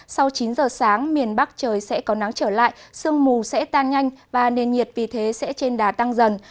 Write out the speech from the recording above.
sau chín giờ sáng miền bắc trời sẽ có nắng trở lại sương mù sẽ tan nhanh và nền nhiệt vì thế sẽ trên đà tăng dần